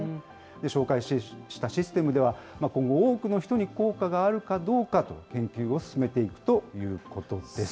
紹介したシステムでは、今後、多くの人に効果があるかどうかと、研究を進めていくということです。